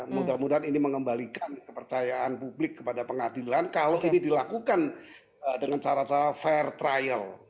mudah mudahan ini mengembalikan kepercayaan publik kepada pengadilan kalau ini dilakukan dengan cara cara fair trial